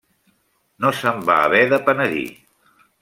No se'n va haver de penedir.